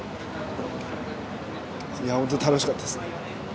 本当楽しかったですね。